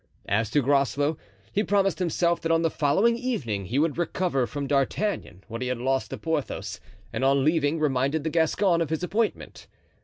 As to Groslow, he promised himself that on the following evening he would recover from D'Artagnan what he had lost to Porthos, and on leaving reminded the Gascon of his appointment.